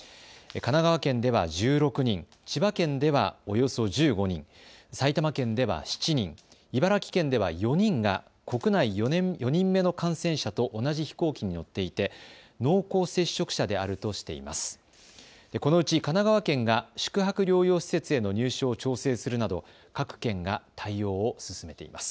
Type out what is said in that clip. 神奈川県では１６人、千葉県ではおよそ１５人、埼玉県では７人、茨城県では４人が国内４人目の感染者と同じ飛行機に乗っていて濃厚接触者であるとしています。